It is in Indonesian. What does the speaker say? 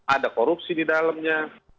ada korupsi di dalamnya